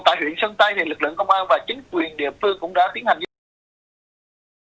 tại huyện sơn tây thì lực lượng công an và chính quyền địa phương đã tiến hành dây dày